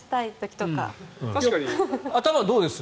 頭、どうです？